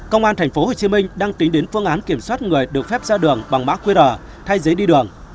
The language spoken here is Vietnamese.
công an thành phố hồ chí minh đang tính đến phương án kiểm soát người được phép ra đường bằng mã qr thay giấy đi đường